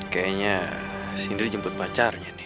kayanya sendiri jemput pacarnya nih